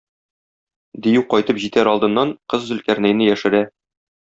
Дию кайтып җитәр алдыннан, кыз Зөлкарнәйне яшерә.